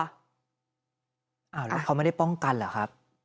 อ้าวแล้วเขาไม่ได้ป้องกันเหรอครับ